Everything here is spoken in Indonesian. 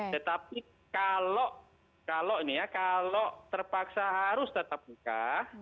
tetapi kalau terpaksa harus tatap muka